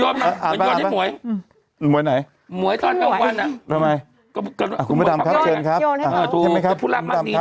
การลูน่าทำสิคุณแม่ดำครับช่วยอ่านครับ